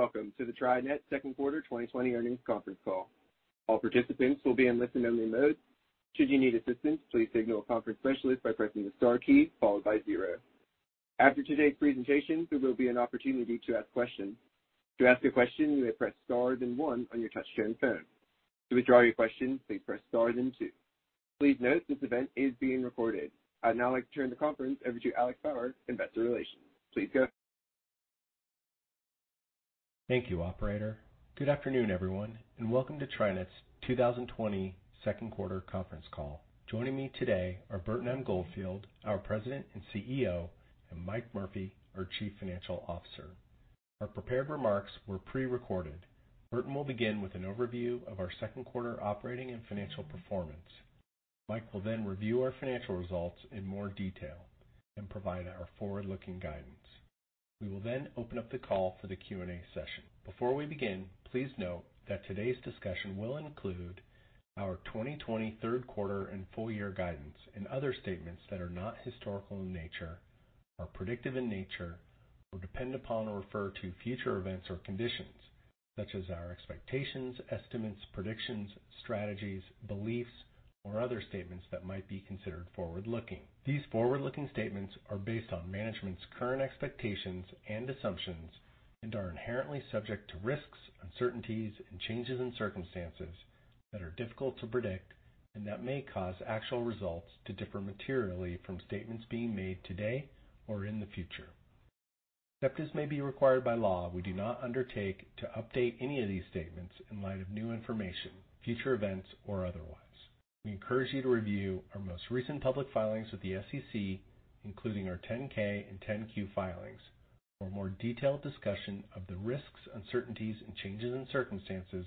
Welcome to the TriNet Second Quarter 2020 earnings conference call. All participants will be in listen-only mode. Should you need assistance, please signal a conference specialist by pressing the star key followed by zero. After today's presentation, there will be an opportunity to ask questions. To ask a question, you may press star then one on your touchscreen phone. To withdraw your question, please press star then two. Please note this event is being recorded. I'd now like to turn the conference over to Alex Bauer, investor relations. Please go ahead. Thank you, operator. Good afternoon, everyone, and welcome to TriNet's 2020 second quarter conference call. Joining me today are Burton M. Goldfield, our President and CEO, and Mike Murphy, our Chief Financial Officer. Our prepared remarks were pre-recorded. Burton will begin with an overview of our second quarter operating and financial performance. Mike will then review our financial results in more detail and provide our forward-looking guidance. We will then open up the call for the Q&A session. Before we begin, please note that today's discussion will include our 2020 third quarter and full year guidance and other statements that are not historical in nature, are predictive in nature, or depend upon or refer to future events or conditions, such as our expectations, estimates, predictions, strategies, beliefs, or other statements that might be considered forward-looking. These forward-looking statements are based on management's current expectations and assumptions and are inherently subject to risks, uncertainties, and changes in circumstances that are difficult to predict and that may cause actual results to differ materially from statements being made today or in the future. Except as may be required by law, we do not undertake to update any of these statements in light of new information, future events, or otherwise. We encourage you to review our most recent public filings with the SEC, including our 10-K and 10-Q filings, for a more detailed discussion of the risks, uncertainties, and changes in circumstances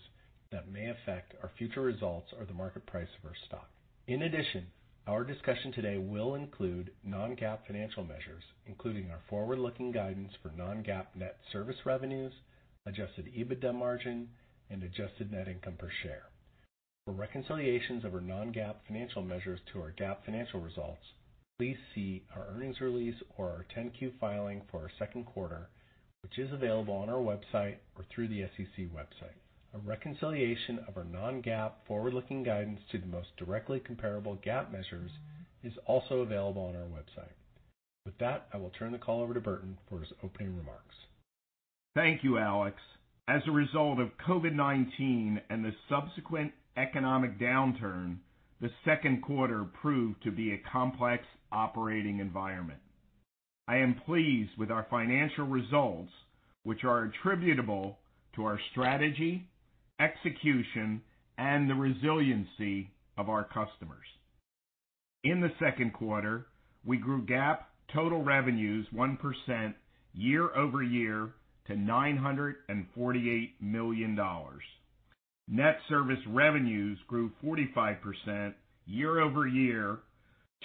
that may affect our future results or the market price of our stock. Our discussion today will include non-GAAP financial measures, including our forward-looking guidance for non-GAAP Net Service Revenues, Adjusted EBITDA margin, and adjusted net income per share. For reconciliations of our non-GAAP financial measures to our GAAP financial results, please see our earnings release or our 10-Q filing for our second quarter, which is available on our website or through the SEC website. A reconciliation of our non-GAAP forward-looking guidance to the most directly comparable GAAP measures is also available on our website. With that, I will turn the call over to Burton for his opening remarks. Thank you, Alex. As a result of COVID-19 and the subsequent economic downturn, the second quarter proved to be a complex operating environment. I am pleased with our financial results, which are attributable to our strategy, execution, and the resiliency of our customers. In the second quarter, we grew GAAP total revenues 1% year-over-year to $948 million. Net Service Revenues grew 45% year-over-year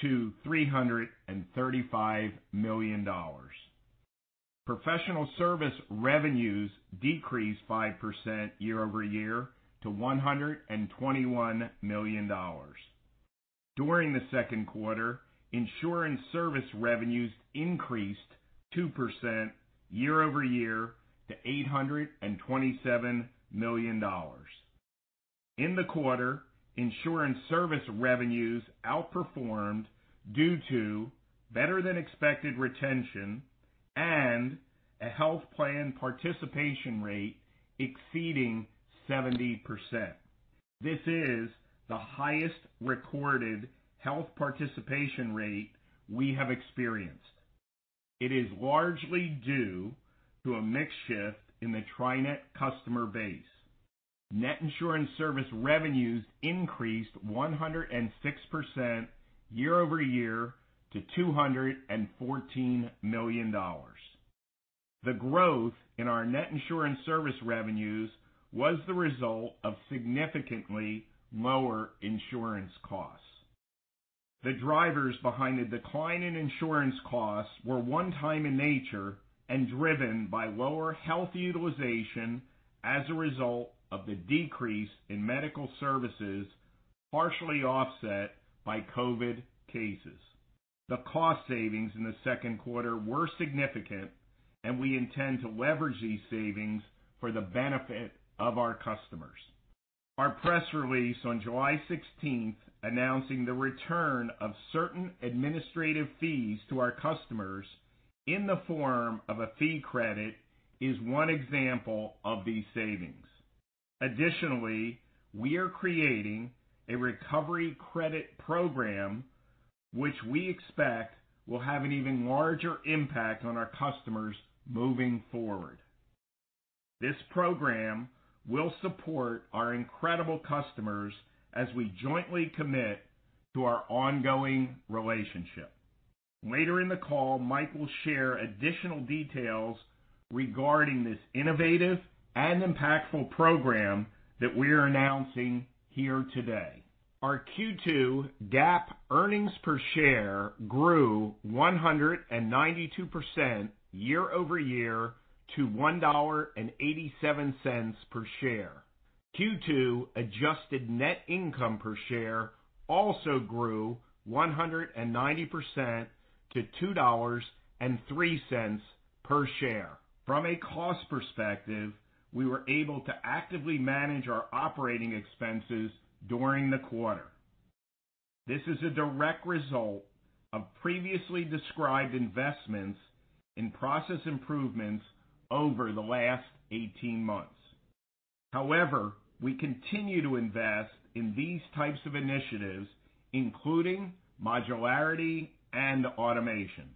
to $335 million. professional service revenues decreased 5% year-over-year to $121 million. During the second quarter, insurance service revenues increased 2% year-over-year to $827 million. In the quarter, insurance service revenues outperformed due to better than expected retention and a health plan participation rate exceeding 70%. This is the highest recorded health participation rate we have experienced. It is largely due to a mix shift in the TriNet customer base. Net Insurance Service Revenues increased 106% year over year to $214 million. The growth in our Net Insurance Service Revenues was the result of significantly lower insurance costs. The drivers behind the decline in insurance costs were one time in nature and driven by lower health utilization as a result of the decrease in medical services, partially offset by COVID cases. The cost savings in the second quarter were significant, and we intend to leverage these savings for the benefit of our customers. Our press release on July 16th announcing the return of certain administrative fees to our customers in the form of a fee credit is one example of these savings. Additionally, we are creating a Recovery Credit Program, which we expect will have an even larger impact on our customers moving forward. This program will support our incredible customers as we jointly commit to our ongoing relationship. Later in the call, Mike will share additional details regarding this innovative and impactful program that we're announcing here today. Our Q2 GAAP earnings per share grew 192% year-over-year to $1.87 per share. Q2 Adjusted Net Income per share also grew 190% to $2.03 per share. From a cost perspective, we were able to actively manage our operating expenses during the quarter. This is a direct result of previously described investments in process improvements over the last 18 months. However, we continue to invest in these types of initiatives, including modularity and automation.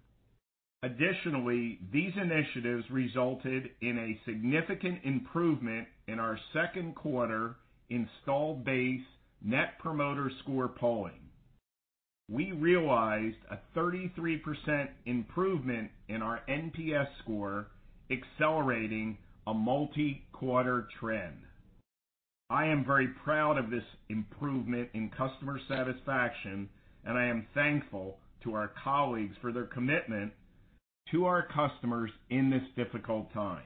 Additionally, these initiatives resulted in a significant improvement in our second quarter installed base Net Promoter Score polling. We realized a 33% improvement in our NPS score, accelerating a multi-quarter trend. I am very proud of this improvement in customer satisfaction, and I am thankful to our colleagues for their commitment to our customers in this difficult time.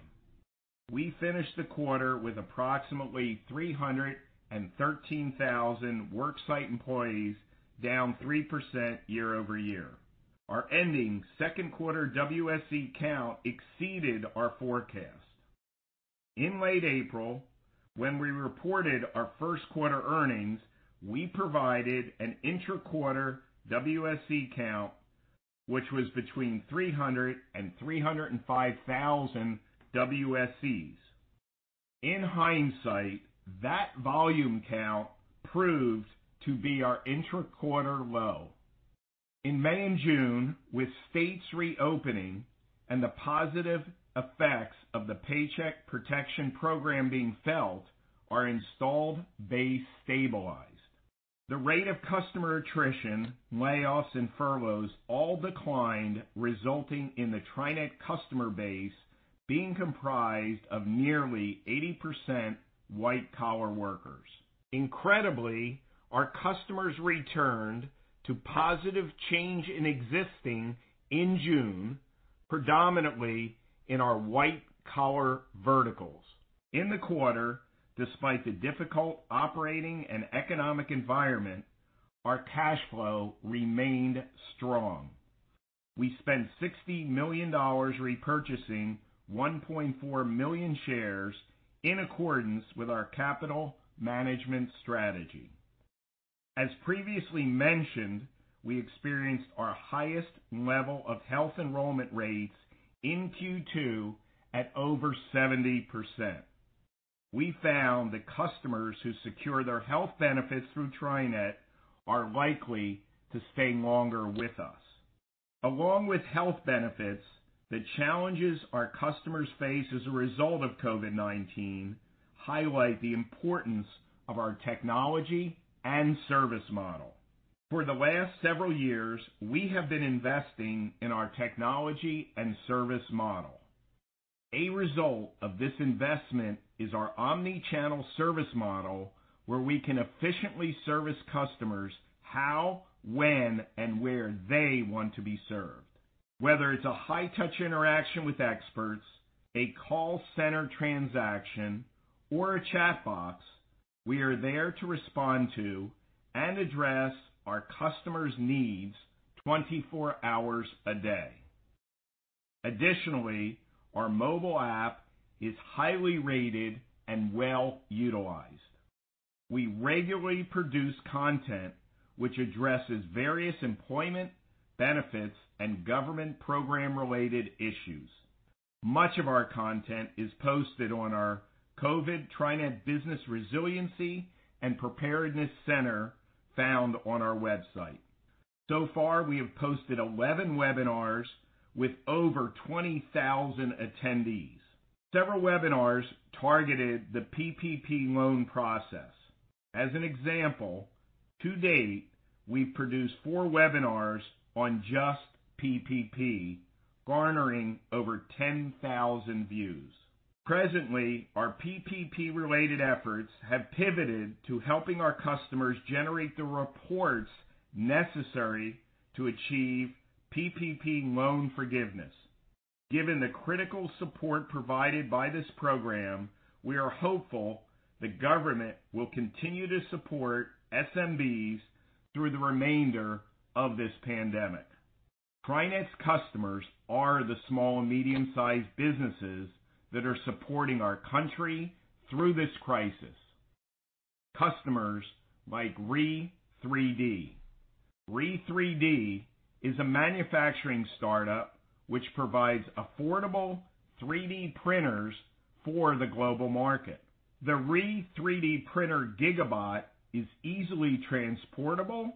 We finished the quarter with approximately 313,000 worksite employees, down 3% year-over-year. Our ending second quarter WSE count exceeded our forecast. In late April, when we reported our first quarter earnings, we provided an intra-quarter WSE count, which was between 300,000 and 305,000 WSEs. In hindsight, that volume count proved to be our intra-quarter low. In May and June, with states reopening and the positive effects of the Paycheck Protection Program being felt, our installed base stabilized. The rate of customer attrition, layoffs, and furloughs all declined, resulting in the TriNet customer base being comprised of nearly 80% white-collar workers. Incredibly, our customers returned to positive change in existing in June, predominantly in our white-collar verticals. In the quarter, despite the difficult operating and economic environment, our cash flow remained strong. We spent $60 million repurchasing 1.4 million shares in accordance with our capital management strategy. As previously mentioned, we experienced our highest level of health enrollment rates in Q2 at over 70%. We found that customers who secure their health benefits through TriNet are likely to stay longer with us. Along with health benefits, the challenges our customers face as a result of COVID-19 highlight the importance of our technology and service model. For the last several years, we have been investing in our technology and service model. A result of this investment is our omni-channel service model, where we can efficiently service customers how, when, and where they want to be served. Whether it's a high-touch interaction with experts, a call center transaction, or a chatbot, we are there to respond to and address our customers' needs 24 hours a day. Additionally, our mobile app is highly rated and well-utilized. We regularly produce content which addresses various employment, benefits, and government program-related issues. Much of our content is posted on our COVID TriNet Business Resiliency and Preparedness Center found on our website. So far, we have posted 11 webinars with over 20,000 attendees. Several webinars targeted the PPP loan process. As an example, to date, we've produced four webinars on just PPP, garnering over 10,000 views. Presently, our PPP-related efforts have pivoted to helping our customers generate the reports necessary to achieve PPP loan forgiveness. Given the critical support provided by this program, we are hopeful the government will continue to support SMBs through the remainder of this pandemic. TriNet's customers are the small and medium-sized businesses that are supporting our country through this crisis. Customers like re:3D. re:3D is a manufacturing startup which provides affordable 3D printers for the global market. The re:3D printer Gigabot is easily transportable,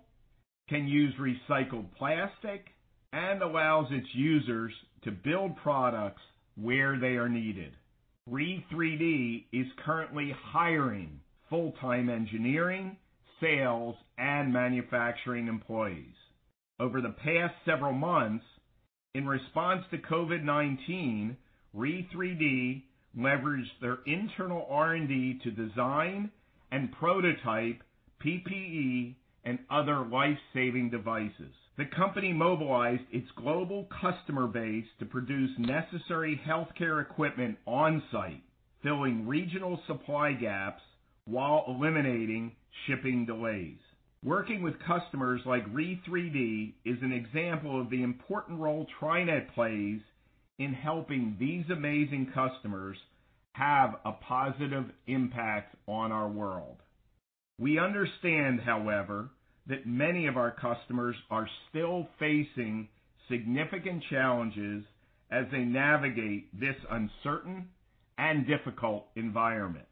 can use recycled plastic, and allows its users to build products where they are needed. re:3D is currently hiring full-time engineering, sales, and manufacturing employees. Over the past several months, in response to COVID-19, re:3D leveraged their internal R&D to design and prototype PPE and other life-saving devices. The company mobilized its global customer base to produce necessary healthcare equipment on-site, filling regional supply gaps while eliminating shipping delays. Working with customers like re:3D is an example of the important role TriNet plays in helping these amazing customers have a positive impact on our world. We understand, however, that many of our customers are still facing significant challenges as they navigate this uncertain and difficult environment.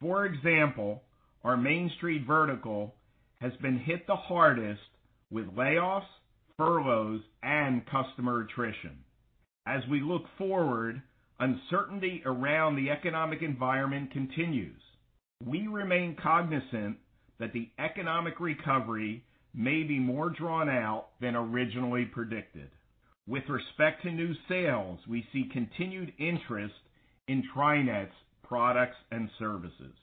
For example, our Main Street vertical has been hit the hardest with layoffs, furloughs, and customer attrition. As we look forward, uncertainty around the economic environment continues. We remain cognizant that the economic recovery may be more drawn out than originally predicted. With respect to new sales, we see continued interest in TriNet's products and services.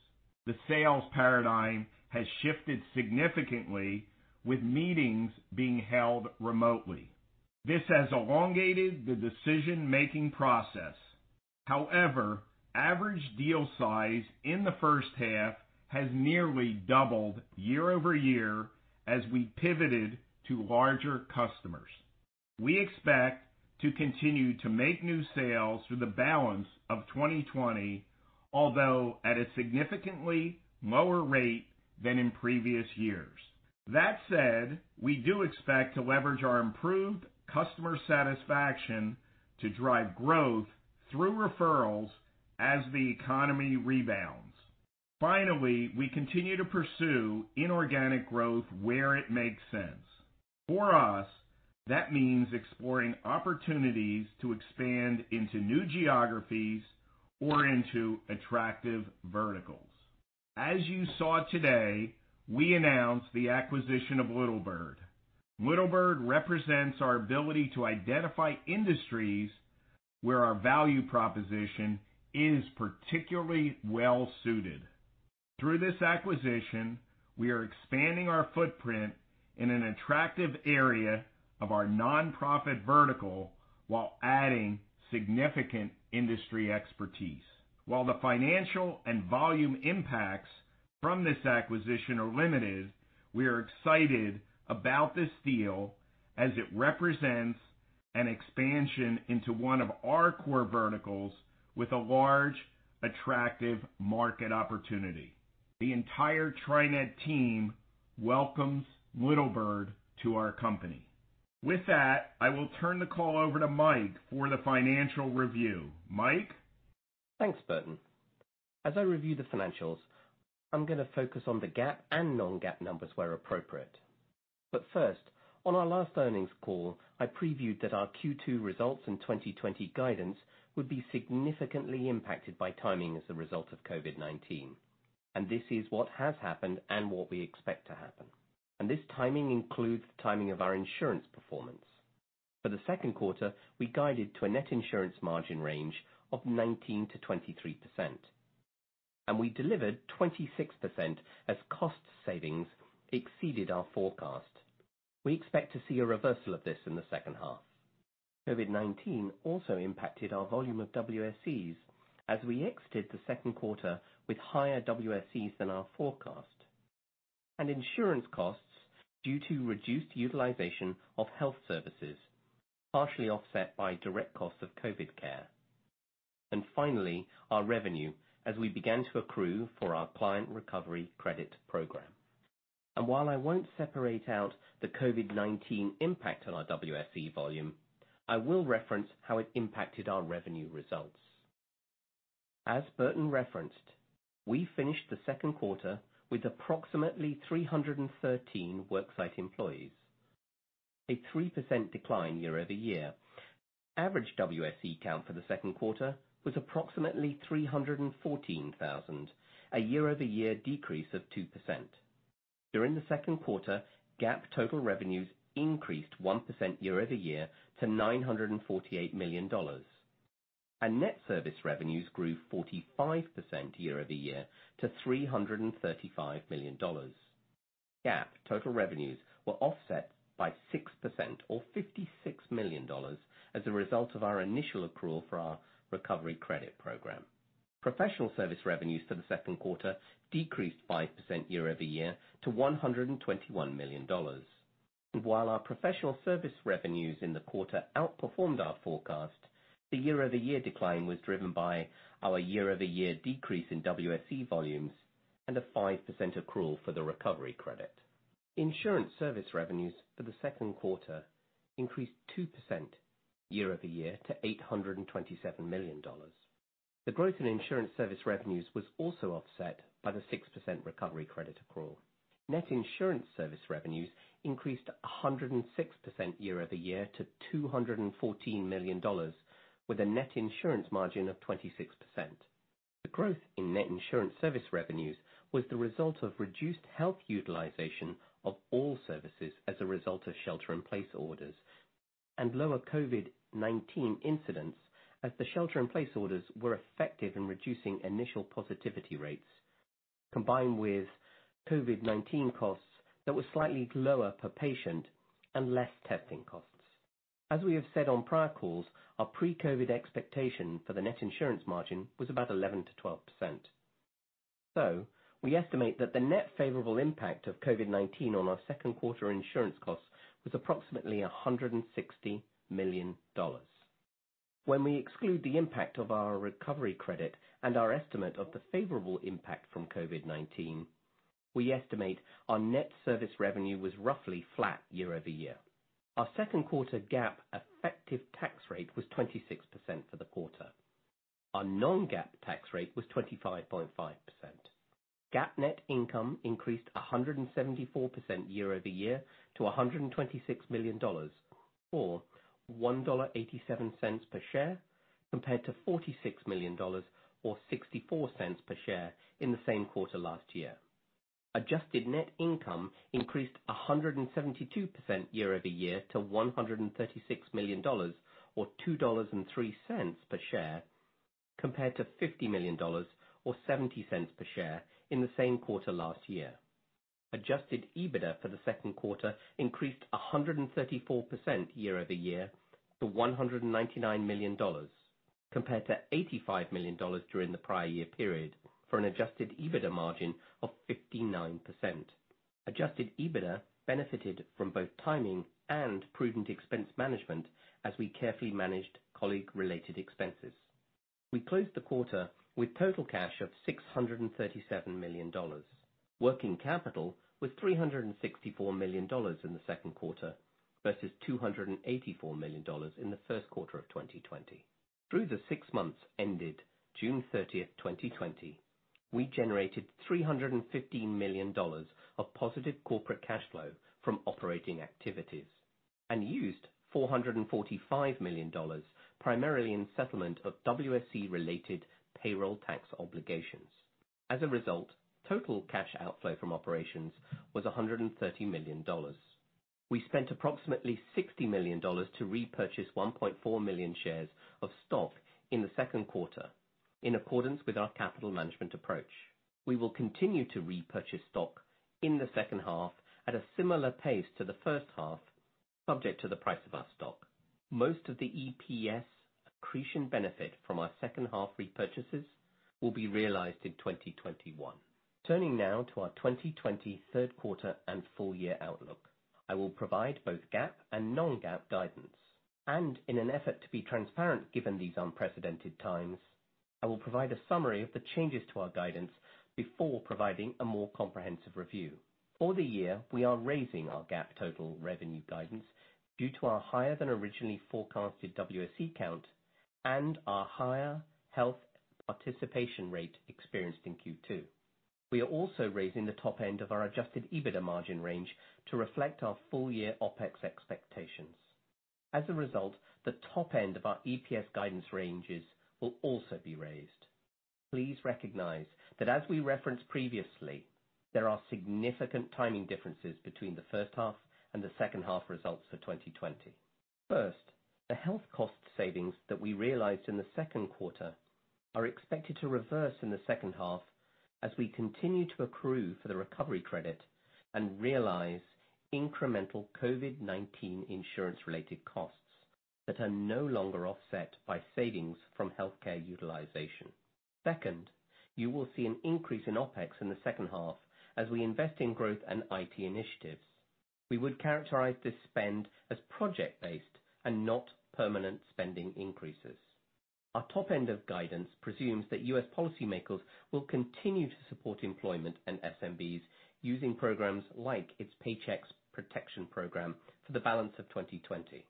The sales paradigm has shifted significantly with meetings being held remotely. This has elongated the decision-making process. Average deal size in the first half has nearly doubled year-over-year as we pivoted to larger customers. We expect to continue to make new sales for the balance of 2020, although at a significantly lower rate than in previous years. That said, we do expect to leverage our improved customer satisfaction to drive growth through referrals as the economy rebounds. We continue to pursue inorganic growth where it makes sense. For us, that means exploring opportunities to expand into new geographies or into attractive verticals. As you saw today, we announced the acquisition of Little Bird. Little Bird represents our ability to identify industries where our value proposition is particularly well-suited. Through this acquisition, we are expanding our footprint in an attractive area of our nonprofit vertical while adding significant industry expertise. While the financial and volume impacts from this acquisition are limited, we are excited about this deal as it represents an expansion into one of our core verticals with a large, attractive market opportunity. The entire TriNet team welcomes Little Bird to our company. With that, I will turn the call over to Mike for the financial review. Mike? Thanks, Burton. As I review the financials, I'm going to focus on the GAAP and non-GAAP numbers where appropriate. First, on our last earnings call, I previewed that our Q2 results in 2020 guidance would be significantly impacted by timing as a result of COVID-19, and this is what has happened and what we expect to happen. This timing includes the timing of our insurance performance. For the second quarter, we guided to a Net Insurance Margin range of 19%-23%, and we delivered 26% as cost savings exceeded our forecast. We expect to see a reversal of this in the second half. COVID-19 also impacted our volume of WSEs as we exited the second quarter with higher WSEs than our forecast, and insurance costs due to reduced utilization of health services, partially offset by direct costs of COVID care. Our revenue, as we began to accrue for our client Recovery Credit Program. While I won't separate out the COVID-19 impact on our WSE volume, I will reference how it impacted our revenue results. As Burton referenced, we finished the second quarter with approximately 313,000 Worksite Employees, a 3% decline year-over-year. Average WSE count for the second quarter was approximately 314,000, a year-over-year decrease of 2%. During the second quarter, GAAP total revenues increased 1% year-over-year to $948 million. Net Service Revenues grew 45% year-over-year to $335 million. GAAP total revenues were offset by 6% or $56 million as a result of our initial accrual for our Recovery Credit Program. professional service revenues for the second quarter decreased 5% year-over-year to $121 million. While our professional service revenues in the quarter outperformed our forecast, the year-over-year decline was driven by our year-over-year decrease in WSE volumes and a 5% accrual for the Recovery Credit. Insurance service revenues for the second quarter increased 2% year-over-year to $827 million. The growth in insurance service revenues was also offset by the 6% Recovery Credit accrual. Net Insurance Service Revenues increased 106% year-over-year to $214 million with a Net Insurance Margin of 26%. The growth in Net Insurance Service Revenues was the result of reduced health utilization of all services as a result of shelter-in-place orders and lower COVID-19 incidents as the shelter-in-place orders were effective in reducing initial positivity rates, combined with COVID-19 costs that were slightly lower per patient and less testing costs. As we have said on prior calls, our pre-COVID expectation for the Net Insurance Margin was about 11%-12%. We estimate that the net favorable impact of COVID-19 on our second quarter insurance costs was approximately $160 million. When we exclude the impact of our Recovery Credit and our estimate of the favorable impact from COVID-19, we estimate our Net Service Revenues was roughly flat year-over-year. Our second quarter GAAP effective tax rate was 26% for the quarter. Our non-GAAP tax rate was 25.5%. GAAP net income increased 174% year-over-year to $126 million, or $1.87 per share, compared to $46 million or $0.64 per share in the same quarter last year. Adjusted net income increased 172% year-over-year to $136 million or $2.03 per share, compared to $50 million or $0.70 per share in the same quarter last year. Adjusted EBITDA for the second quarter increased 134% year-over-year to $199 million, compared to $85 million during the prior year period, for an Adjusted EBITDA margin of 59%. Adjusted EBITDA benefited from both timing and prudent expense management as we carefully managed colleague-related expenses. We closed the quarter with total cash of $637 million. Working capital was $364 million in the second quarter versus $284 million in the first quarter of 2020. Through the six months ended June 30th, 2020, we generated $315 million of positive corporate cash flow from operating activities and used $445 million, primarily in settlement of WSE related payroll tax obligations. As a result, total cash outflow from operations was $130 million. We spent approximately $60 million to repurchase 1.4 million shares of stock in the second quarter in accordance with our capital management approach. We will continue to repurchase stock in the second half at a similar pace to the first half, subject to the price of our stock. Most of the EPS accretion benefit from our second half repurchases will be realized in 2021. Turning now to our 2020 third quarter and full year outlook, I will provide both GAAP and non-GAAP guidance, and in an effort to be transparent given these unprecedented times, I will provide a summary of the changes to our guidance before providing a more comprehensive review. For the year, we are raising our GAAP total revenue guidance due to our higher than originally forecasted WSE count and our higher health participation rate experienced in Q2. We are also raising the top end of our Adjusted EBITDA margin range to reflect our full year OpEx expectations. As a result, the top end of our EPS guidance ranges will also be raised. Please recognize that as we referenced previously, there are significant timing differences between the first half and the second half results for 2020. First, the health cost savings that we realized in the second quarter are expected to reverse in the second half as we continue to accrue for the Recovery Credit and realize incremental COVID-19 insurance related costs that are no longer offset by savings from healthcare utilization. You will see an increase in OpEx in the second half as we invest in growth and IT initiatives. We would characterize this spend as project-based and not permanent spending increases. Our top end of guidance presumes that U.S. policymakers will continue to support employment and SMBs using programs like its Paycheck Protection Program for the balance of 2020.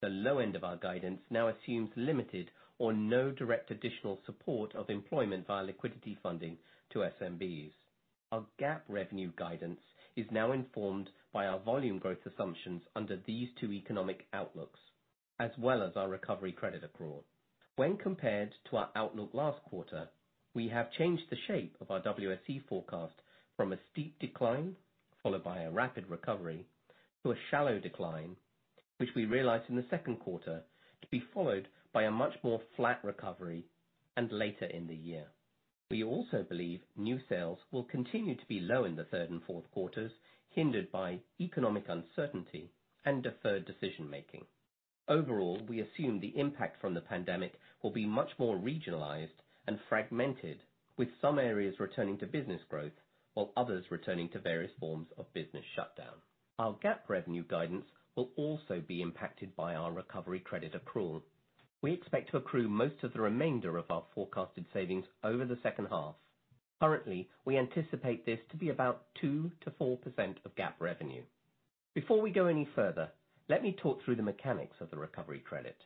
The low end of our guidance now assumes limited or no direct additional support of employment via liquidity funding to SMBs. Our GAAP revenue guidance is now informed by our volume growth assumptions under these two economic outlooks, as well as our recovery credit accrual. When compared to our outlook last quarter, we have changed the shape of our WSE forecast from a steep decline, followed by a rapid recovery, to a shallow decline, which we realized in the second quarter, to be followed by a much more flat recovery and later in the year. We also believe new sales will continue to be low in the third and fourth quarters, hindered by economic uncertainty and deferred decision-making. Overall, we assume the impact from the pandemic will be much more regionalized and fragmented, with some areas returning to business growth while others returning to various forms of business shutdown. Our GAAP revenue guidance will also be impacted by our Recovery Credit accrual. We expect to accrue most of the remainder of our forecasted savings over the second half. Currently, we anticipate this to be about 2%-4% of GAAP revenue. Before we go any further, let me talk through the mechanics of the Recovery Credit.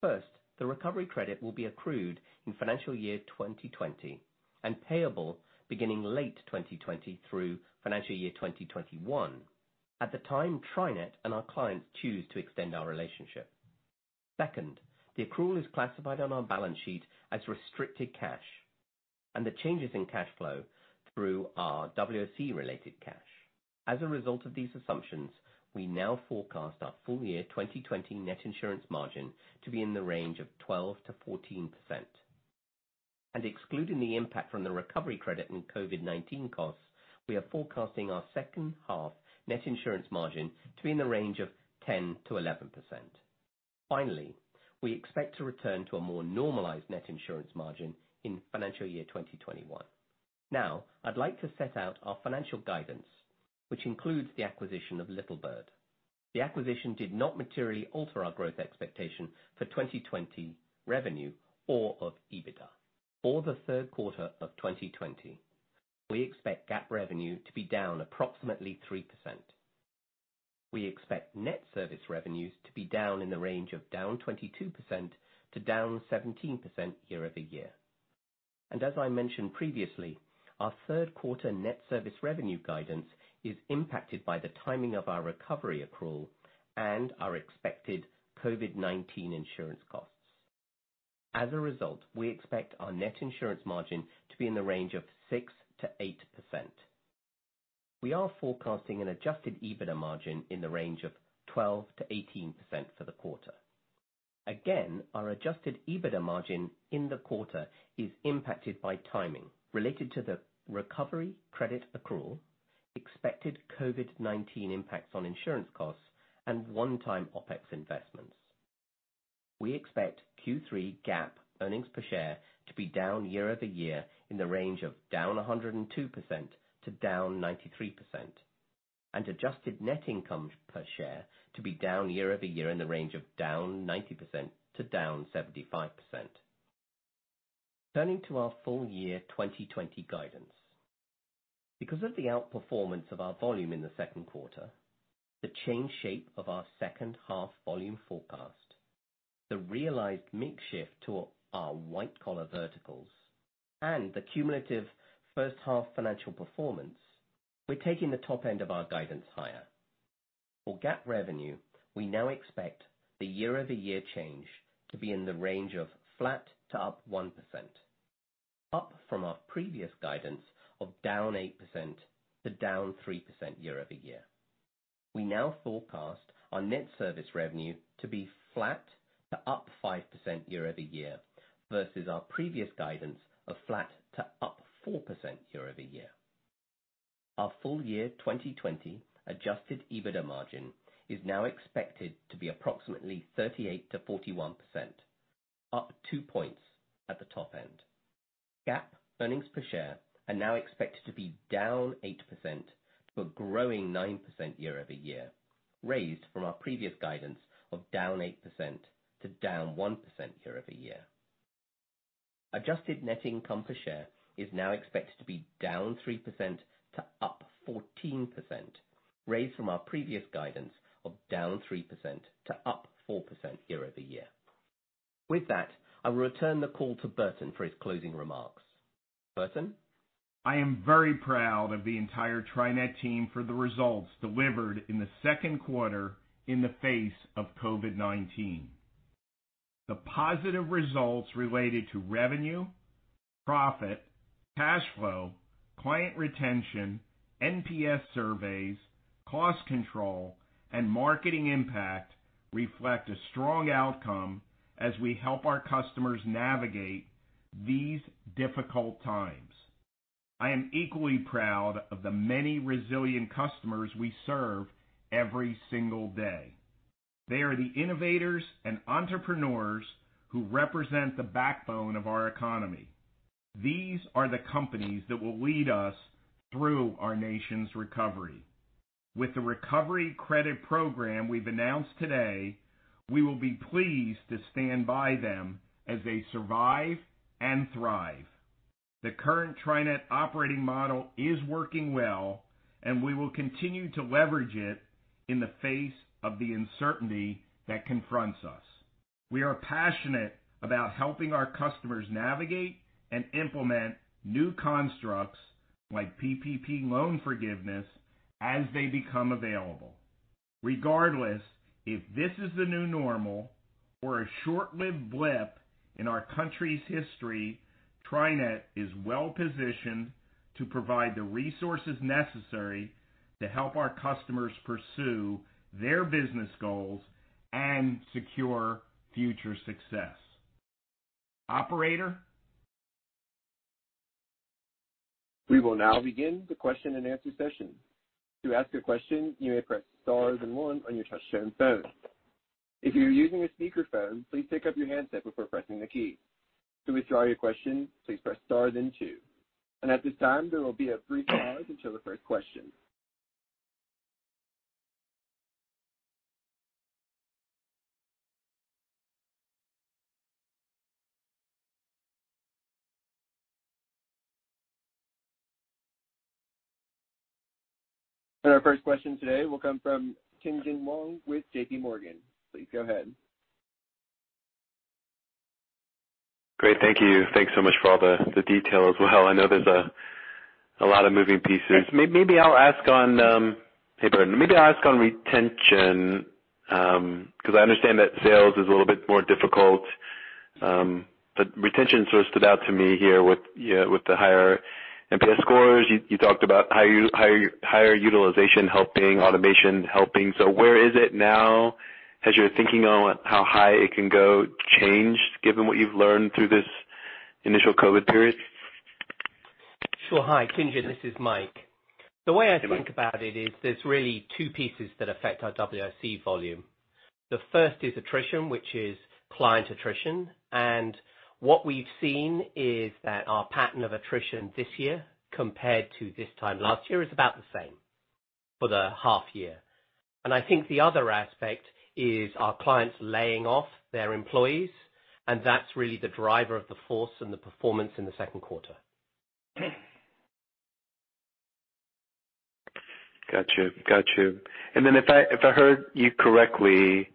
First, the Recovery Credit will be accrued in financial year 2020 and payable beginning late 2020 through financial year 2021 at the time TriNet and our clients choose to extend our relationship. Second, the accrual is classified on our balance sheet as restricted cash, and the changes in cash flow through our WSE related cash. As a result of these assumptions, we now forecast our full year 2020 Net Insurance Margin to be in the range of 12%-14%. Excluding the impact from the Recovery Credit and COVID-19 costs, we are forecasting our second half Net Insurance Margin to be in the range of 10%-11%. Finally, we expect to return to a more normalized Net Insurance Margin in financial year 2021. Now, I'd like to set out our financial guidance, which includes the acquisition of Little Bird. The acquisition did not materially alter our growth expectation for 2020 revenue or of EBITDA. For the third quarter of 2020, we expect GAAP revenue to be down approximately 3%. We expect Net Service Revenues to be down in the range of down 22% to down 17% year-over-year. As I mentioned previously, our third quarter Net Service Revenue guidance is impacted by the timing of our recovery accrual and our expected COVID-19 insurance costs. As a result, we expect our Net Insurance Margin to be in the range of 6%-8%. We are forecasting an Adjusted EBITDA margin in the range of 12%-18% for the quarter. Our Adjusted EBITDA margin in the quarter is impacted by timing related to the Recovery Credit accrual, expected COVID-19 impacts on insurance costs, and one-time OpEx investments. We expect Q3 GAAP earnings per share to be down year-over-year in the range of down 102% to down 93%. Adjusted net income per share to be down year-over-year in the range of down 90% to down 75%. Turning to our full year 2020 guidance. Because of the outperformance of our volume in the second quarter, the change shape of our second half volume forecast, the realized mix shift to our white collar verticals, and the cumulative first half financial performance, we're taking the top end of our guidance higher. For GAAP revenue, we now expect the year-over-year change to be in the range of flat to up 1%, up from our previous guidance of down 8% to down 3% year-over-year. We now forecast our Net Service Revenues to be flat to up 5% year-over-year versus our previous guidance of flat to up 4% year-over-year. Our full year 2020 Adjusted EBITDA margin is now expected to be approximately 38%-41%, up two points at the top end. GAAP earnings per share are now expected to be down 8% to a growing 9% year-over-year, raised from our previous guidance of down 8% to down 1% year-over-year. Adjusted net income per share is now expected to be down 3% to up 14%, raised from our previous guidance of down 3% to up 4% year-over-year. With that, I will return the call to Burton for his closing remarks. Burton? I am very proud of the entire TriNet team for the results delivered in the second quarter in the face of COVID-19. The positive results related to revenue, profit, cash flow, client retention, NPS surveys, cost control, and marketing impact reflect a strong outcome as we help our customers navigate these difficult times. I am equally proud of the many resilient customers we serve every single day. They are the innovators and entrepreneurs who represent the backbone of our economy. These are the companies that will lead us through our nation's recovery. With the Recovery Credit Program we've announced today, we will be pleased to stand by them as they survive and thrive. The current TriNet operating model is working well, and we will continue to leverage it in the face of the uncertainty that confronts us. We are passionate about helping our customers navigate and implement new constructs, like PPP loan forgiveness, as they become available. Regardless if this is the new normal or a short-lived blip in our country's history, TriNet is well positioned to provide the resources necessary to help our customers pursue their business goals and secure future success. Operator? We will now begin the question and answer session. To ask a question, you may press star then one on your touchtone phone. If you are using a speakerphone, please pick up your handset before pressing the key. To withdraw your question, please press star then two. At this time, there will be a brief pause until the first question. Our first question today will come from Tien-Tsin Huang with JPMorgan. Please go ahead. Great. Thank you. Thanks so much for all the detail as well. I know there's a lot of moving pieces. Maybe I'll ask on Hey, Burton. Maybe I'll ask on retention, because I understand that sales is a little bit more difficult. Retention sort of stood out to me here with the higher NPS scores. You talked about higher utilization helping, automation helping. Where is it now? Has your thinking on how high it can go changed given what you've learned through this initial COVID period? Sure. Hi, Tien-Tsin, this is Mike. The way I think about it is there's really two pieces that affect our WSE volume. The first is attrition, which is client attrition. What we've seen is that our pattern of attrition this year compared to this time last year is about the same for the half year. I think the other aspect is our clients laying off their employees, and that's really the driver of the force and the performance in the second quarter. Got you. If I heard you correctly,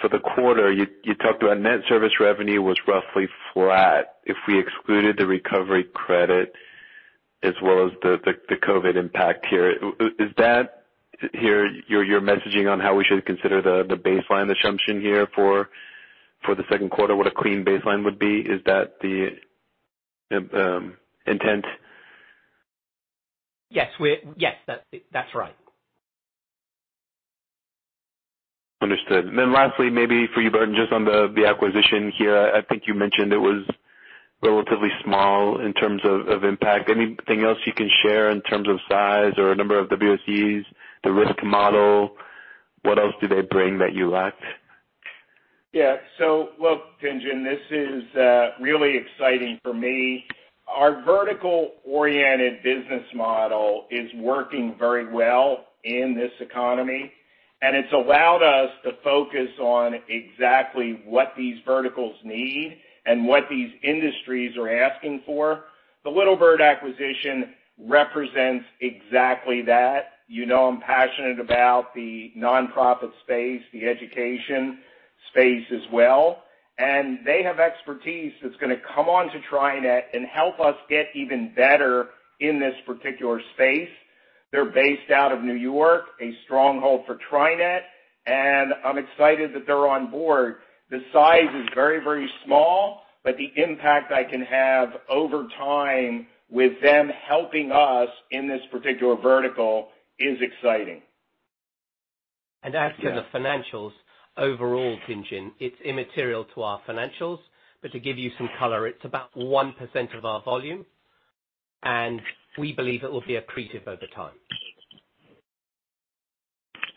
for the quarter, you talked about Net Service Revenues was roughly flat if we excluded the Recovery Credit Program as well as the COVID-19 impact here. Is that your messaging on how we should consider the baseline assumption here for the second quarter, what a clean baseline would be? Is that the intent? Yes. That's right. Understood. Then lastly, maybe for you, Burton, just on the acquisition here. I think you mentioned it was relatively small in terms of impact. Anything else you can share in terms of size or number of WSEs, the risk model? What else do they bring that you lacked? Yeah. Look, Tien-Tsin, this is really exciting for me. Our vertical-oriented business model is working very well in this economy, and it's allowed us to focus on exactly what these verticals need and what these industries are asking for. The Little Bird HR acquisition represents exactly that. You know I'm passionate about the nonprofit space, the education space as well, and they have expertise that's going to come onto TriNet and help us get even better in this particular space. They're based out of New York, a stronghold for TriNet, and I'm excited that they're on board. The size is very small, but the impact I can have over time with them helping us in this particular vertical is exciting. As for the financials overall, Tien-Tsin, it's immaterial to our financials, but to give you some color, it's about 1% of our volume, and we believe it will be accretive over time.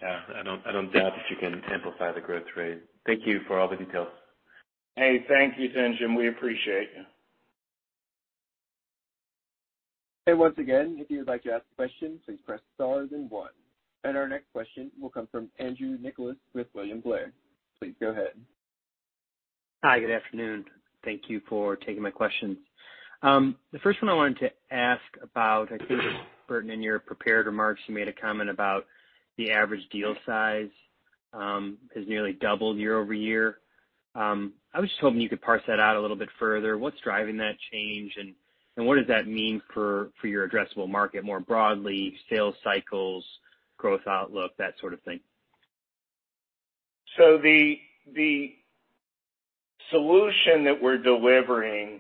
Yeah. I don't doubt that you can amplify the growth rate. Thank you for all the details. Hey, thank you, Tien-Tsin. We appreciate you. Once again, if you would like to ask a question, please press star then one. Our next question will come from Andrew Nicholas with William Blair. Please go ahead. Hi. Good afternoon. Thank you for taking my questions. The first one I wanted to ask about, I think, Burton, in your prepared remarks, you made a comment about the average deal size has nearly doubled year-over-year. I was just hoping you could parse that out a little bit further. What's driving that change, and what does that mean for your addressable market more broadly, sales cycles, growth outlook, that sort of thing? The solution that we're delivering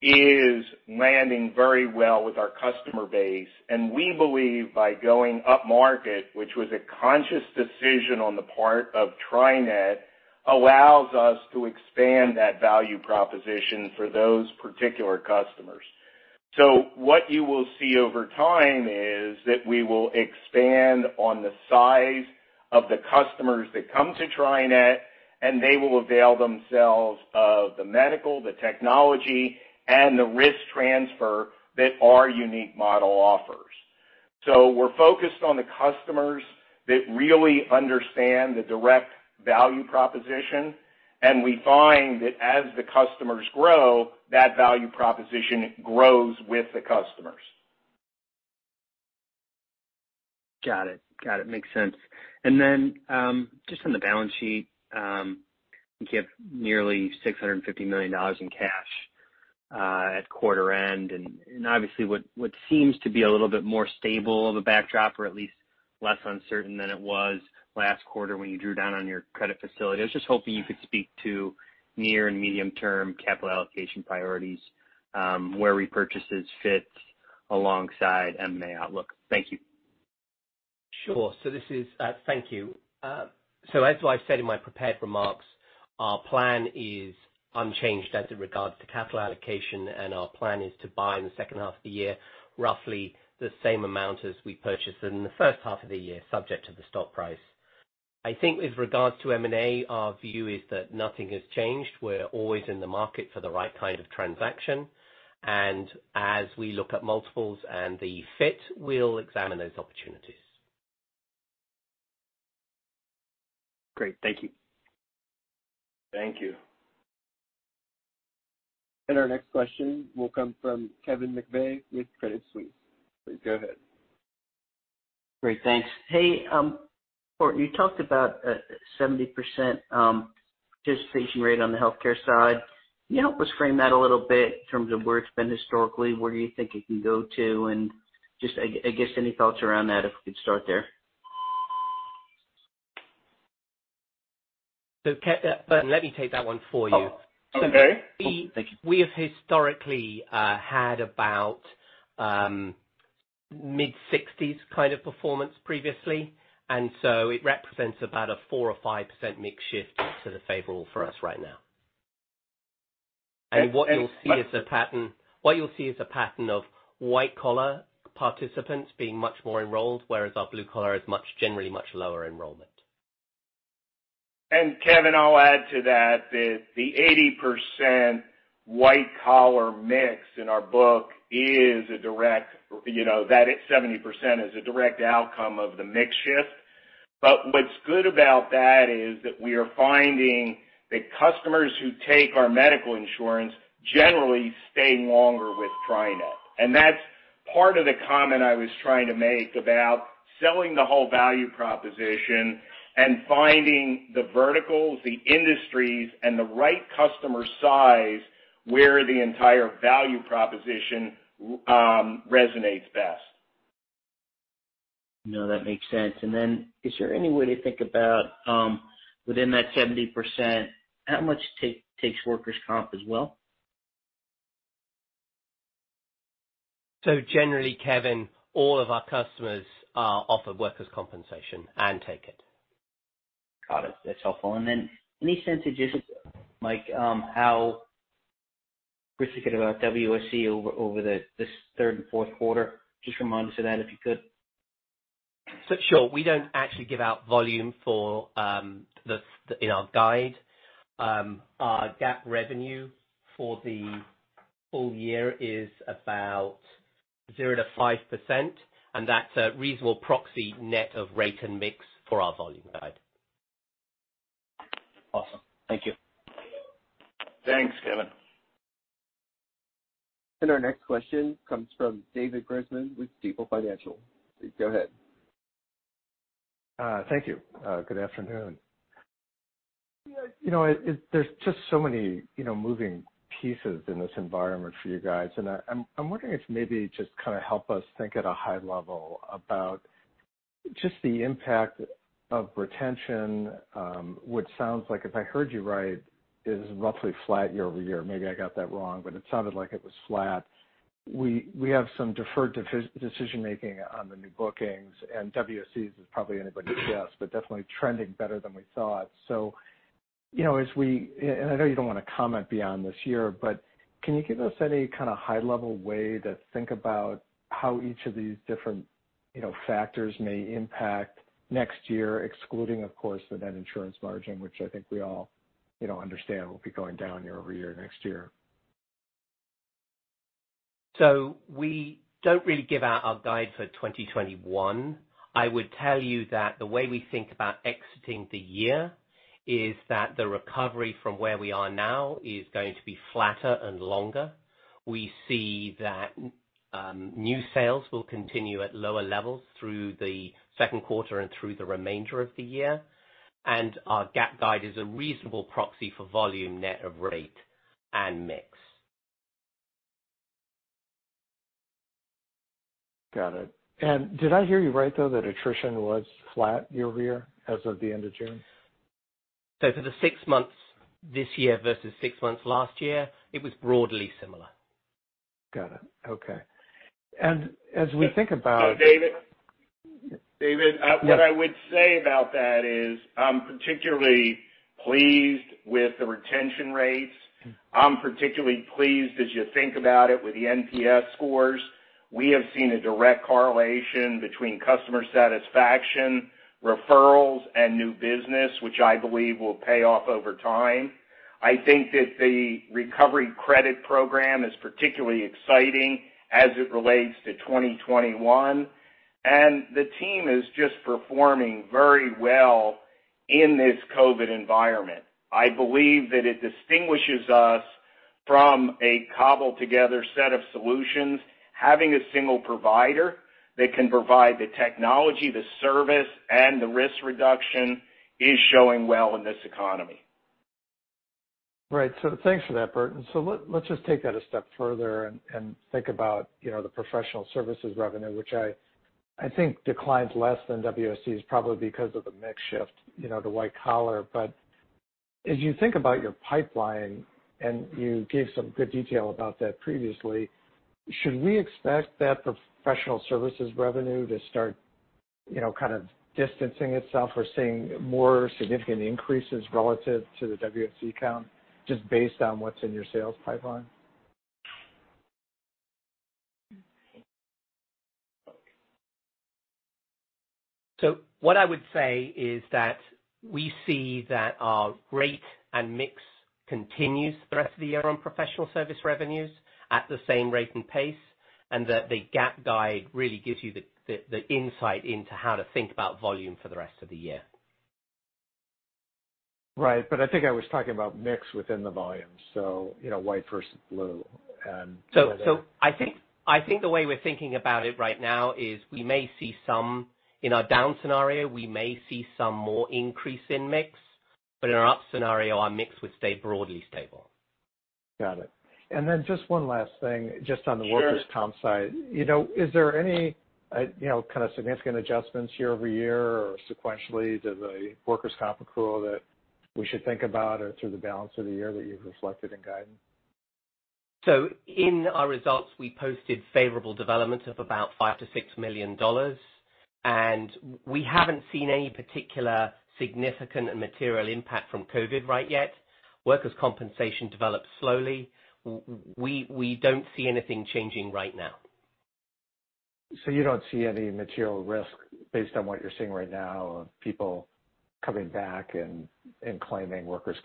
is landing very well with our customer base, and we believe by going upmarket, which was a conscious decision on the part of TriNet, allows us to expand that value proposition for those particular customers. What you will see over time is that we will expand on the size of the customers that come to TriNet, and they will avail themselves of the medical, the technology, and the risk transfer that our unique model offers. We're focused on the customers that really understand the direct value proposition, and we find that as the customers grow, that value proposition grows with the customers. Got it. Makes sense. Just on the balance sheet, you give nearly $650 million in cash at quarter end, and obviously, what seems to be a little bit more stable of a backdrop or at least less uncertain than it was last quarter when you drew down on your credit facility. I was just hoping you could speak to near and medium-term capital allocation priorities, where repurchases fit alongside M&A outlook. Thank you. Thank you. As I said in my prepared remarks, our plan is unchanged as in regards to capital allocation, and our plan is to buy in the second half of the year, roughly the same amount as we purchased in the first half of the year, subject to the stock price. I think with regards to M&A, our view is that nothing has changed. We're always in the market for the right kind of transaction, and as we look at multiples and the fit, we'll examine those opportunities. Great. Thank you. Thank you. Our next question will come from Kevin McVeigh with Credit Suisse. Please go ahead. Great. Thanks. Hey, Burton, you talked about a 70% participation rate on the healthcare side. Can you help us frame that a little bit in terms of where it's been historically, where you think it can go to, and just, I guess, any thoughts around that, if we could start there? Kevin, let me take that one for you. Okay. We have historically had about mid-60s kind of performance previously, and so it represents about a four or five percent mix shift to the favorable for us right now. What you'll see is a pattern of white-collar participants being much more enrolled, whereas our blue collar is generally much lower enrollment. Kevin, I'll add to that the 80% white-collar mix in our book, that 70% is a direct outcome of the mix shift. What's good about that is that we are finding that customers who take our medical insurance generally stay longer with TriNet. That's part of the comment I was trying to make about selling the whole value proposition and finding the verticals, the industries, and the right customer size where the entire value proposition resonates best. No, that makes sense. Then is there any way to think about, within that 70%, how much takes workers' comp as well? Generally, Kevin, all of our customers are offered workers' compensation and take it. Got it. That's helpful. Any sense of just, Mike, how we should think about WSE over this third and fourth quarter? Just remind us of that, if you could. Sure. We don't actually give out volume in our guide. Our GAAP revenue for the full year is about 0%-5%, and that's a reasonable proxy net of rate and mix for our volume guide. Awesome. Thank you. Thanks, Kevin. Our next question comes from David Grossman with Stifel Financial. Go ahead. Thank you. Good afternoon. There's just so many moving pieces in this environment for you guys, and I'm wondering if maybe just kind of help us think at a high level about just the impact of retention, which sounds like, if I heard you right, is roughly flat year-over-year. Maybe I got that wrong, but it sounded like it was flat. We have some deferred decision-making on the new bookings, and WSEs is probably anybody's guess, but definitely trending better than we thought. As we, and I know you don't want to comment beyond this year, but can you give us any kind of high-level way to think about how each of these different factors may impact next year, excluding, of course, the Net Insurance Margin, which I think we all understand will be going down year-over-year next year? We don't really give out our guide for 2021. I would tell you that the way we think about exiting the year is that the recovery from where we are now is going to be flatter and longer. We see that new sales will continue at lower levels through the second quarter and through the remainder of the year, and our GAAP guide is a reasonable proxy for volume net of rate and mix. Got it. Did I hear you right, though, that attrition was flat year-over-year as of the end of June? For the six months this year versus six months last year, it was broadly similar. Got it. Okay. David, what I would say about that is I'm particularly pleased with the retention rates. I'm particularly pleased as you think about it with the NPS scores. We have seen a direct correlation between customer satisfaction, referrals, and new business, which I believe will pay off over time. I think that the Recovery Credit Program is particularly exciting as it relates to 2021, and the team is just performing very well in this COVID environment. I believe that it distinguishes us from a cobbled-together set of solutions. Having a single provider that can provide the technology, the service, and the risk reduction is showing well in this economy. Right. Thanks for that, Burton. Let's just take that a step further and think about the professional service revenues, which I think declines less than WSEs, probably because of the mix shift, the white collar. As you think about your pipeline, and you gave some good detail about that previously, should we expect that professional service revenues to start kind of distancing itself or seeing more significant increases relative to the WSE count just based on what's in your sales pipeline? What I would say is that we see that our rate and mix continues the rest of the year on professional service revenues at the same rate and pace, and that the GAAP guide really gives you the insight into how to think about volume for the rest of the year. Right, I think I was talking about mix within the volume, so white versus blue. I think the way we're thinking about it right now is we may see some in our down scenario, we may see some more increase in mix, but in our up scenario, our mix would stay broadly stable. Got it. Then just one last thing. Sure workers' comp side. Is there any kind of significant adjustments year-over-year or sequentially to the workers' comp accrual that we should think about or through the balance of the year that you've reflected in guidance? In our results, we posted favorable developments of about $5 million-$6 million, and we haven't seen any particular significant and material impact from COVID right yet. Workers' compensation develops slowly. We don't see anything changing right now. You don't see any material risk based on what you're seeing right now of people coming back and claiming COVID-related workers'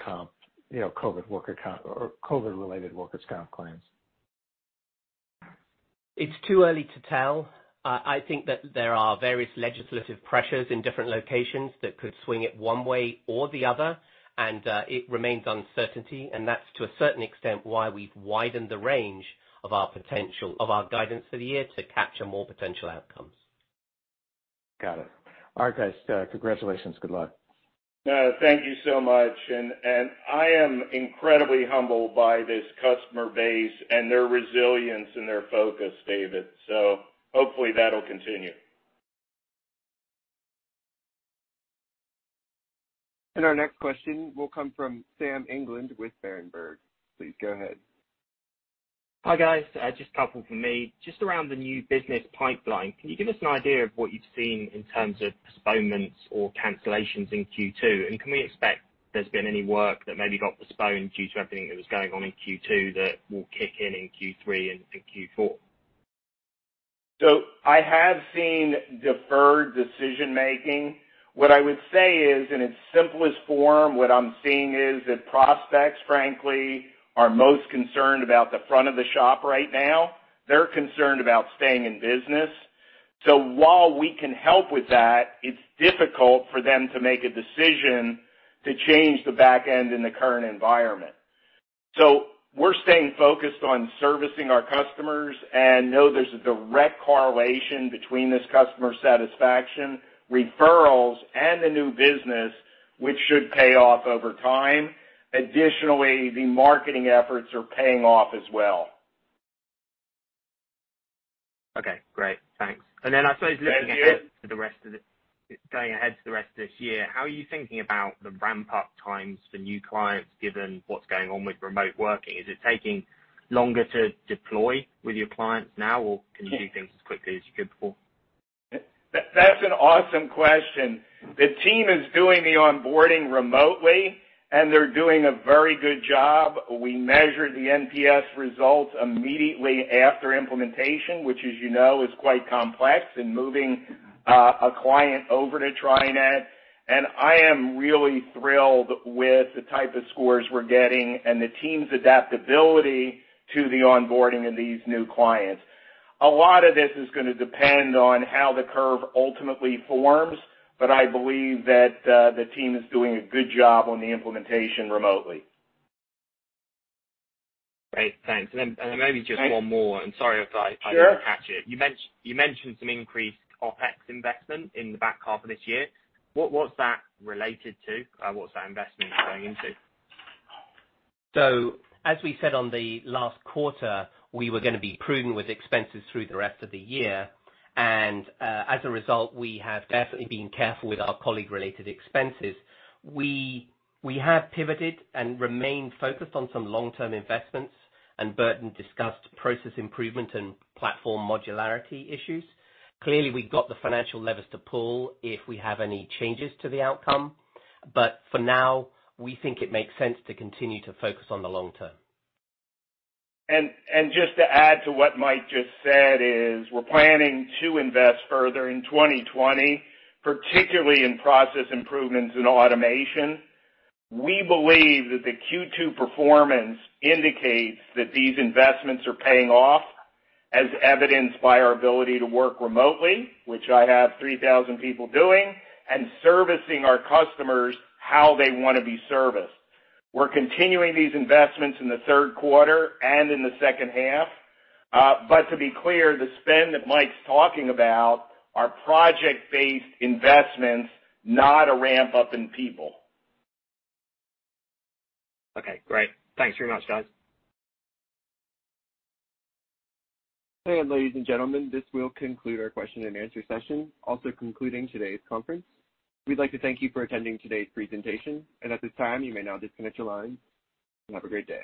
comp claims? It's too early to tell. I think that there are various legislative pressures in different locations that could swing it one way or the other, and it remains uncertainty. That's to a certain extent why we've widened the range of our guidance for the year to capture more potential outcomes. Got it. All right, guys, congratulations. Good luck. No, thank you so much. I am incredibly humbled by this customer base and their resilience and their focus, David. Hopefully that'll continue. Our next question will come from Sam England with Berenberg. Please go ahead. Hi, guys. Just a couple from me. Just around the new business pipeline, can you give us an idea of what you've seen in terms of postponements or cancellations in Q2? Can we expect there's been any work that maybe got postponed due to everything that was going on in Q2 that will kick in in Q3 and in Q4? I have seen deferred decision-making. What I would say is, in its simplest form, what I'm seeing is that prospects, frankly, are most concerned about the front of the shop right now. They're concerned about staying in business. While we can help with that, it's difficult for them to make a decision to change the back end in the current environment. We're staying focused on servicing our customers and know there's a direct correlation between this customer satisfaction, referrals, and the new business, which should pay off over time. Additionally, the marketing efforts are paying off as well. Okay, great. Thanks. Thank you. I suppose looking ahead to the rest of this year, how are you thinking about the ramp-up times for new clients given what's going on with remote working? Is it taking longer to deploy with your clients now, or can you do things as quickly as you could before? That's an awesome question. The team is doing the onboarding remotely, and they're doing a very good job. We measure the NPS results immediately after implementation, which as you know is quite complex in moving a client over to TriNet. I am really thrilled with the type of scores we're getting and the team's adaptability to the onboarding of these new clients. A lot of this is going to depend on how the curve ultimately forms, but I believe that the team is doing a good job on the implementation remotely. Great, thanks. Then maybe just one more. Okay. I'm sorry if I didn't- Sure catch it. You mentioned some increased OpEx investment in the back half of this year. What was that related to? What is that investment going into? As we said on the last quarter, we were going to be prudent with expenses through the rest of the year. As a result, we have definitely been careful with our colleague-related expenses. We have pivoted and remained focused on some long-term investments, and Burton discussed process improvement and platform modularity issues. Clearly, we've got the financial levers to pull if we have any changes to the outcome. For now, we think it makes sense to continue to focus on the long term. Just to add to what Mike just said is we're planning to invest further in 2020, particularly in process improvements and automation. We believe that the Q2 performance indicates that these investments are paying off, as evidenced by our ability to work remotely, which I have 3,000 people doing, and servicing our customers how they want to be serviced. We're continuing these investments in the third quarter and in the second half. To be clear, the spend that Mike's talking about are project-based investments, not a ramp-up in people. Okay, great. Thanks very much, guys. Ladies and gentlemen, this will conclude our question-and-answer session, also concluding today's conference. We'd like to thank you for attending today's presentation, and at this time, you may now disconnect your lines. Have a great day.